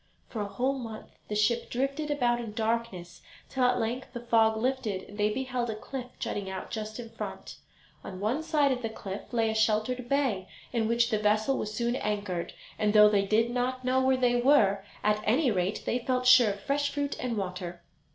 For a whole month the ship drifted about in darkness, till at length the fog lifted and they beheld a cliff jutting out just in front. On one side of the cliff lay a sheltered bay, in which the vessel was soon anchored, and though they did not know where they were, at any rate they felt sure of fresh fruit and water.